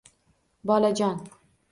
Bolajon